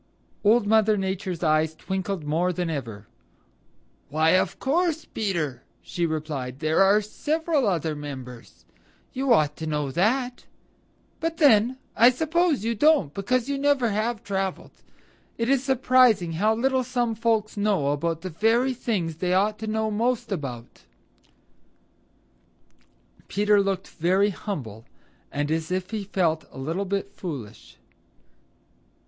Old Mother Nature's eyes twinkled more than ever. "Why, of course, Peter," she replied. "There are several other members. You ought to know that. But then, I suppose you don't because you never have traveled. It is surprising how little some folks know about the very things they ought to know most about." Peter looked very humble and as if he felt a little bit foolish.